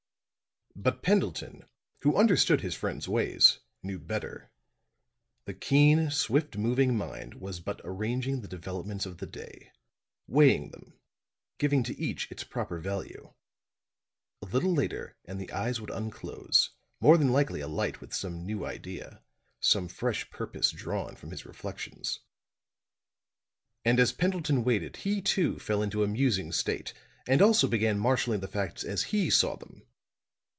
But Pendleton, who understood his friend's ways, knew better; the keen, swift moving mind was but arranging the developments of the day, weighing them, giving to each its proper value. A little later and the eyes would unclose, more than likely alight with some new idea, some fresh purpose drawn from his reflections. And as Pendleton waited he, too, fell into a musing state and also began marshaling the facts as he saw them.